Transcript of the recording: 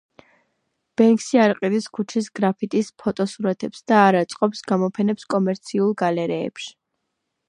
ბენქსი არ ყიდის ქუჩის გრაფიტის ფოტოსურათებს და არ აწყობს გამოფენებს კომერციულ გალერეებში.